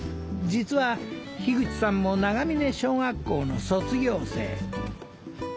実は樋口さんも長峰小学校の卒業生。